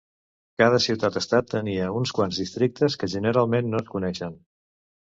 Cada ciutat-estat tenia uns quants districtes que generalment no es coneixen.